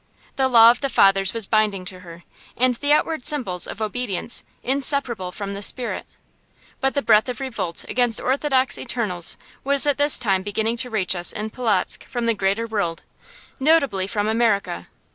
The law of the Fathers was binding to her, and the outward symbols of obedience inseparable from the spirit. But the breath of revolt against orthodox externals was at this time beginning to reach us in Polotzk from the greater world, notably from America.